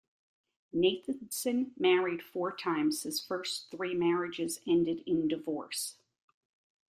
Nathanson married four times; his first three marriages ended in divorce.